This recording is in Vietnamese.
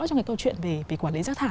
trong cái câu chuyện về quản lý rác thả